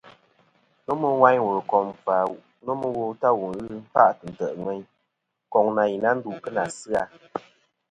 Nomɨ wayn wùl kom ɨkfà nomɨ wo ta wù ghɨ kfa'tɨ ntè' ŋweyn, koŋ na i na ndu kɨ nà asɨ-a.